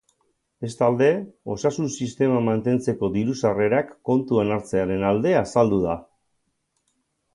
Bestalde, osasun sistema mantentzeko diru-sarrerak kontuan hartzearen alde azaldu da.